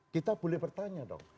kita boleh bertanya dong